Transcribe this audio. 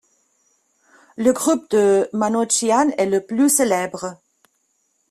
Le groupe de Manouchian est le plus célèbre.